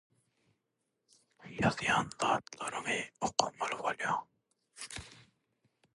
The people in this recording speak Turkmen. ýazýan zatlaryny okamaly bolýan.